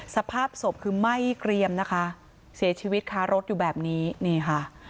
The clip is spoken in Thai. สภาพศพคือไหม้เกรียมนะคะเสียชีวิตคารถอยู่แบบนี้นี่ค่ะ